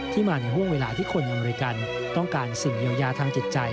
มาในห่วงเวลาที่คนอเมริกันต้องการสิ่งเยียวยาทางจิตใจ